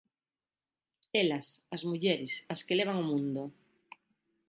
Elas, as mulleres, as que levan o mundo.